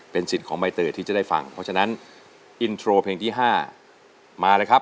เป็นสิทธิ์ของใบเตยที่จะได้ฟังเพราะฉะนั้นอินโทรเพลงที่๕มาเลยครับ